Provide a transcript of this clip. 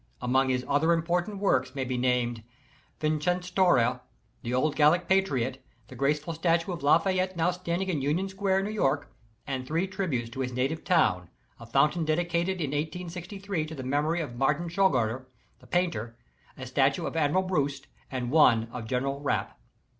Among his other important works may be named, "Vercingetorix," the old Gallic patriot, the graceful statue of "Lafayette" now standing in Union Square, New York, and three tributes to his native town, a fountain dedicated in 1863 to the memor}' of Martin Schongauer, the painter, a statue of Admiral Brouat, and one of General Rapp.